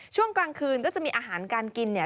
ช่วงกลางคืนก็จะมีอาหารการกินเนี่ย